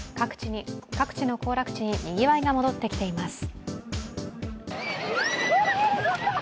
各地の行楽地ににぎわいが戻ってきています。